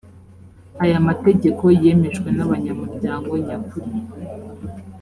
aya mategeko yemejwe n abanyamuryango nyakuri